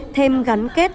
thêm gắn kết